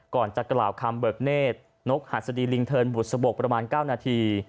ก่อนจะกล่าวคำเบิกเนธนกหัสดีลิงเทินบุษบกประมาณ๙นาที